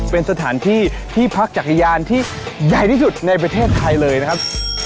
เป็นสถานที่ที่พักจักรยานที่ใหญ่ที่สุดในประเทศไทยเลยนะครับ